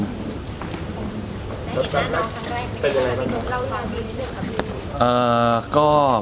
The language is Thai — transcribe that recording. เป็นอะไรครับ